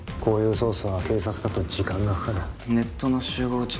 こういう捜査は警察だと時間がかかるネットの集合